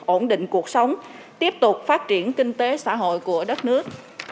ổn định cuộc sống tiếp tục phát triển kinh tế xã hội của đất nước